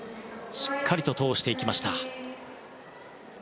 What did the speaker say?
しっかりと通していきました。